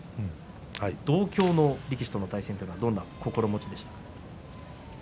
同郷の力士との対戦というのはどんな心持ちでしたか？